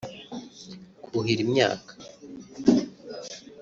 kuhira imyaka